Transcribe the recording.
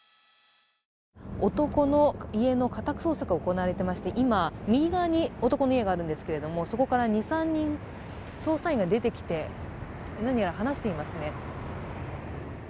男の家の家宅捜索が行われていまして、今、右側に男の家があるんですけれどもそこから２３人捜査員が出てきて、何やら話していますね。